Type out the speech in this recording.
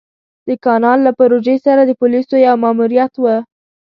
د کانال له پروژې سره د پوليسو يو ماموريت و.